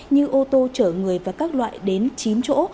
như ô tô chở người và các loại đến chín chỗ